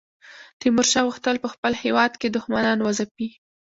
تیمورشاه غوښتل په خپل هیواد کې دښمنان وځپي.